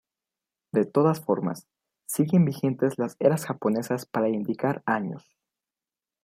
De todas formas, siguen vigentes las eras japonesas para indicar años.